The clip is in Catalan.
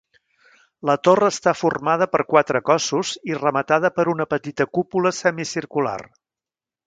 La torre està formada per quatre cossos i rematada per una petita cúpula semicircular.